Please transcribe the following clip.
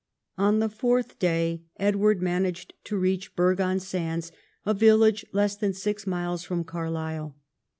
On the fourth day Edward managed to I'each Burgh on Sands, a village less than six miles from Carlisle.